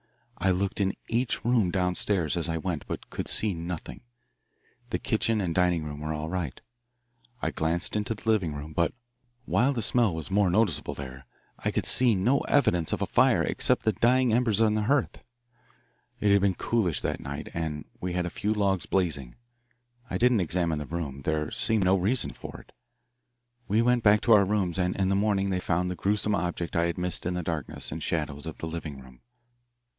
I looked in each room down stairs as I went, but could see nothing. The kitchen and dining room were all right. I glanced into the living room, but, while the smell was more noticeable there, I could see no evidence of a fire except the dying embers on the hearth. It had been coolish that night, and we had had a few logs blazing. I didn't examine the room there seemed no reason for it. We went back to our rooms, and in the morning they found the gruesome object I had missed in the darkness and shadows of the living room."